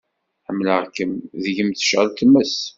Ḥemmleɣ-kem deg-m tecɛel tmes.